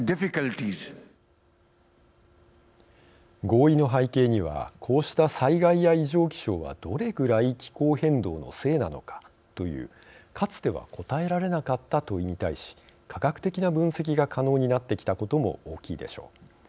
合意の背景にはこうした災害や異常気象はどれぐらい気候変動のせいなのかというかつては答えられなかった問いに対し科学的な分析が可能になってきたことも大きいでしょう。